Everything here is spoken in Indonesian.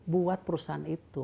buat perusahaan itu